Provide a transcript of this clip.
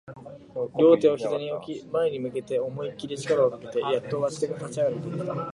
両手を膝に置き、前に向けて思いっきり力をかけて、やっと立ち上がることができた